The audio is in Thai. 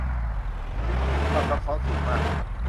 จะยิ่งมีความซับซ้อนสูงมาก